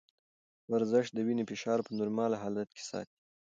ورزش د وینې فشار په نورمال حالت کې ساتي.